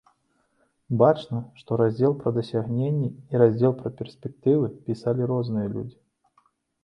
Бачна, што раздзел пра дасягненні і раздзел пра перспектывы пісалі розныя людзі.